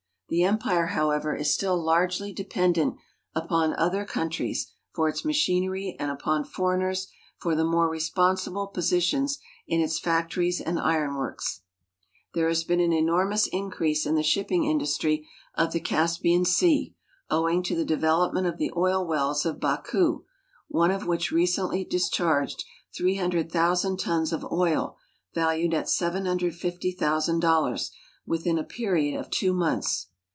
The empire, however, is still largely dei)endent upon otlier countries for its machinery and upon foreigners for the more resi)onsible positions in its factories and ironworks. There has been an enormous increase in the shipping industry of the Caspian sea, owing to the development of the oil wells of Baku, one of which recently discharged ;;00,00() tons of oil, valued at $;75(),()(lO, within a period of two months.